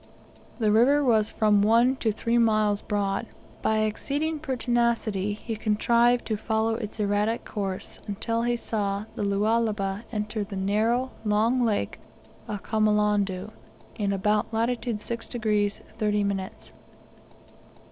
The river was from one to three miles broad. By exceeding pertinacity he contrived to follow its erratic course, until he saw the Lualaba enter the narrow, long lake of Kamolondo, in about latitude 6 degrees 30 minutes.